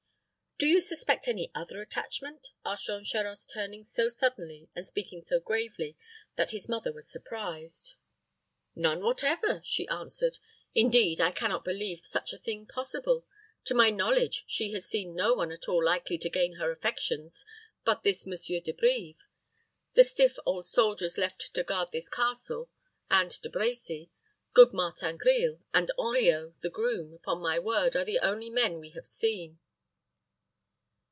"Do you suspect any other attachment?" asked Jean Charost, turning so suddenly, and speaking so gravely, that his mother was surprised. "None whatever," she answered. "Indeed, I can not believe such a thing possible. To my knowledge she has seen no one at all likely to gain her affections but this Monsieur De Brives. The stiff old soldiers left to guard this castle and De Brecy, good Martin Grille, and Henriot, the groom, upon my word, are the only men we have seen."